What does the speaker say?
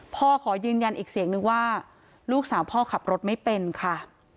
ขอยืนยันอีกเสียงนึงว่าลูกสาวพ่อขับรถไม่เป็นค่ะ